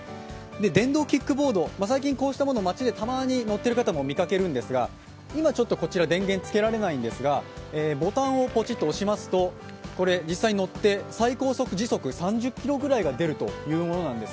電動キックボード、最近こうしたものを街でたまに乗ってる方も見かけるんですが、今は電源をつけられないんですがボタンをポチッと押しますと、実際乗って最高時速３０キロぐらいが出るというものなんです。